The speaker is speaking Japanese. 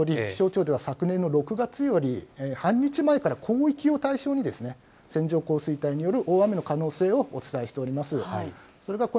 ご紹介いただきましたとおり、気象庁では昨年の６月より、半日前から広域を対象に、線状降水帯による大雨の可能性をお伝えしております。